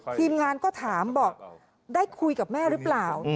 ทีมงานก็ถามบอกได้คุยกับแม่หรือเปล่า